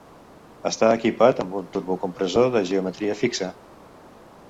Està equipat amb un turbocompressor de geometria fixa.